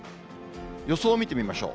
予想を見てみましょう。